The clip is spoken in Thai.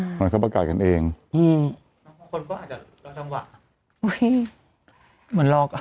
เหมือนเขาประกาศกันเองอืมบางคนก็อาจจะรอจังหวะอุ้ยเหมือนรอก่อน